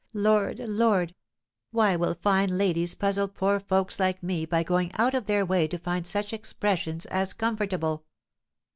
"Lord! Lord! why will fine ladies puzzle poor folks like me by going out of their way to find such expressions as comfortable?"